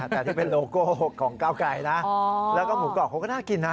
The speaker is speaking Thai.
แต่ที่เป็นโลโก้ของก้าวไกลนะแล้วก็หมูกรอบเขาก็น่ากินนะ